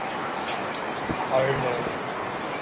Ireland